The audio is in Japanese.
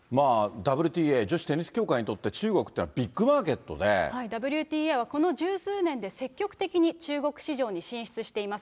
ＷＴＡ・女子テニス協会にとって中国ってのは、ビッグマーケＷＴＡは、この十数年で、積極的に中国市場に進出しています。